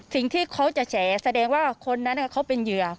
สิ่งที่เขาจะแฉแสดงว่าคนนั้นเขาเป็นเหยื่อ